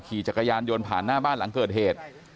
ขี่จักรยานยนต์ผ่านหน้าบ้านหลังเกิดเหตุ